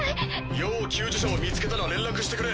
要救助者を見つけたら連絡してくれ。